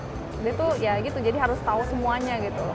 jadi itu ya gitu jadi harus tahu semuanya gitu loh